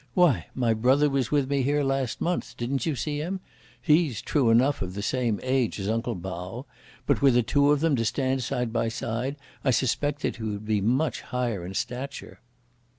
Why my brother was with me here last month; didn't you see him? he's, true enough, of the same age as uncle Pao, but were the two of them to stand side by side, I suspect that he would be much higher in stature."